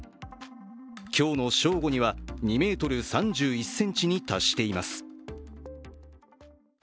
今日の正午には、２ｍ３１ｃｍに達しています。